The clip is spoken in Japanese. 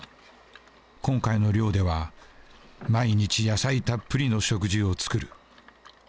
今回の漁では毎日野菜たっぷりの食事を作る。